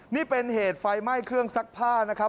นี่เป็นเหตุไฟไหม้เครื่องซักผ้านะครับ